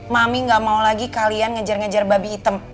mami gak mau lagi kalian ngejar ngejar babi hitam